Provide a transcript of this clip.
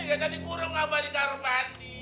gak jadi kurung apa dikarung mandi